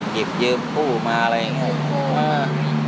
หยิบยืมกู้มาอะไรอย่างนี้